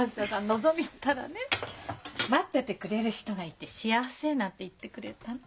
のぞみったらね「待っててくれる人がいて幸せ」なんて言ってくれたの。